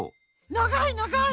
ながいながい！